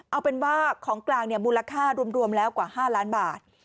เอาเป็นว่าของกลางมูลค่ารวมแล้วกว่า๕ล้านบาท